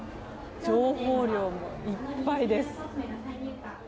情報量も、いっぱいです。